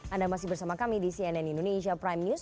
anda masih bersama kami di cnn indonesia prime news